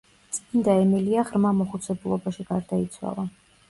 წმიდა ემილია ღრმა მოხუცებულობაში გარდაიცვალა.